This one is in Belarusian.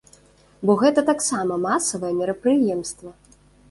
Бо гэта таксама масавае мерапрыемства!